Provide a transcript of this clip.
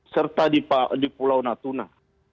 serta di pulau natuna